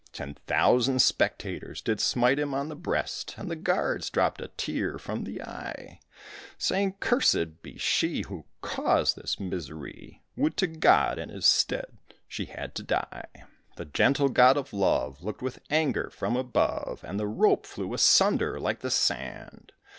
Ten thousand spectators did smite him on the breast, And the guards dropped a tear from the eye, Saying, "Cursed be she who caused this misery, Would to God in his stead she had to die." The gentle god of Love looked with anger from above And the rope flew asunder like the sand.